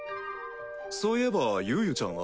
そういえばユウユちゃんは？